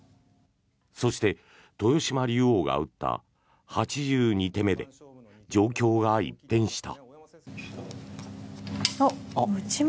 そして、豊島竜王が打った８２手目で状況が一変した。